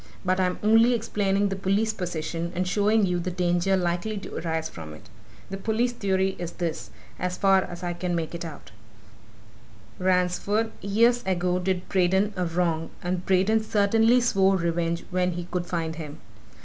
But I'm only explaining the police position, and showing you the danger likely to arise from it. The police theory is this, as far as I can make it out: Ransford, years ago, did Braden a wrong, and Braden certainly swore revenge when he could find him.